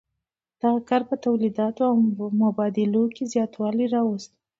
دغه کار په تولیداتو او مبادلو کې زیاتوالی راوست.